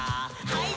はい。